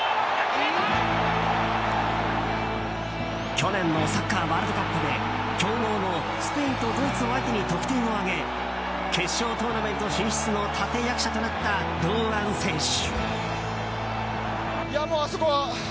去年のサッカーワールドカップで強豪のスペインとドイツを相手に得点を挙げ決勝トーナメント進出の立役者となった堂安選手。